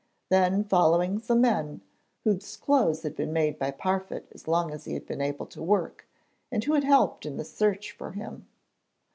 Then followed some men, whose clothes had been made by Parfitt as long as he had been able to work, and who had helped in the search for him.